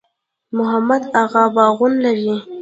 محمد اغه باغونه لري؟